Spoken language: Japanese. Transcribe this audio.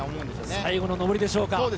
最後の上りでしょうか。